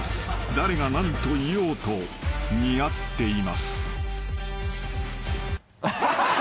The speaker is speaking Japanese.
［誰が何と言おうと似合っています］